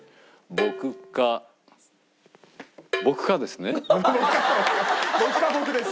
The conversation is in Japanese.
僕か僕です。